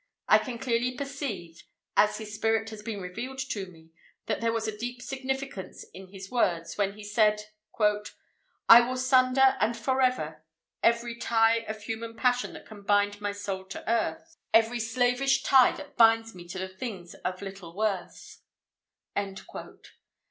I can clearly perceive, as his spirit has been revealed to me, that there was a deep significance in his words, when he said, "I will sunder, and forever, Every tie of human passion that can bind my soul to Earth Every slavish tie that binds me to the things of little worth."